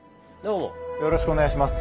よろしくお願いします。